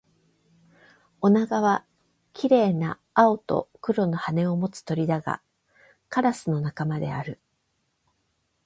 オナガは綺麗な青と黒の羽を持つ鳥だが、カラスの仲間である